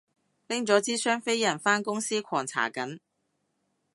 拎咗支雙飛人返公司狂搽緊